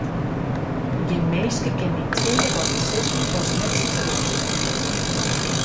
Gjin minske kin dy twinge wat te sizzen watst net sizze wolst.